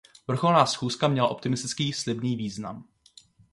Vrcholná schůzka měla optimistický, slibný význam.